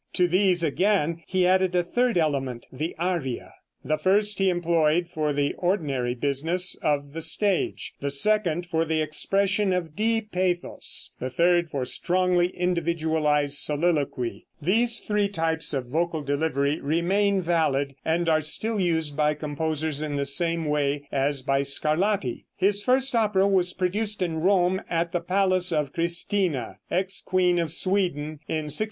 To these, again, he added a third element, the aria. The first he employed for the ordinary business of the stage; the second for the expression of deep pathos; the third for strongly individualized soliloquy. These three types of vocal delivery remain valid, and are still used by composers in the same way as by Scarlatti. His first opera was produced in Rome at the palace of Christina, ex queen of Sweden, in 1680.